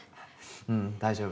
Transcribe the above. ううん大丈夫。